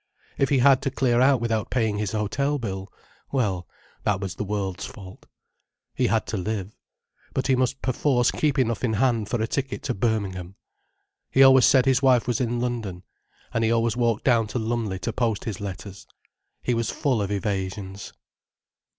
If he had to clear out without paying his hotel bill—well, that was the world's fault. He had to live. But he must perforce keep enough in hand for a ticket to Birmingham. He always said his wife was in London. And he always walked down to Lumley to post his letters. He was full of evasions.